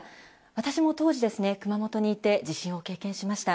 私も当時、熊本にいて、地震を経験しました。